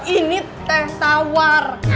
ini teh tawar